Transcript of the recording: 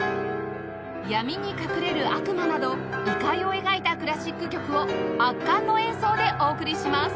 闇に隠れる悪魔など異界を描いたクラシック曲を圧巻の演奏でお送りします